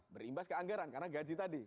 berimbas ke anggaran karena gaji tadi